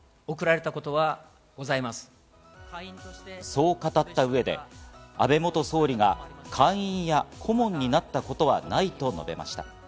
そう語った上で、安倍元総理が会員や顧問になったことはないと述べました。